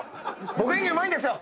僕演技うまいんですよ。